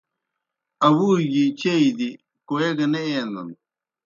آوُوگیْ چیئی دیْ کوئے گہ نہ اینَن۔